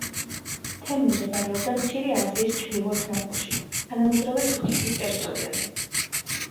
თემი მდებარეობდა მცირე აზიის ჩრდილოეთ ნაწილში, თანამედროვე თურქეთის ტერიტორიაზე.